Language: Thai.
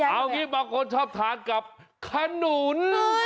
เอางี้บางคนชอบทานกับขนุน